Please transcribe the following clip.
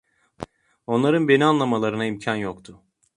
Onların beni anlamalarına imkân yoktu.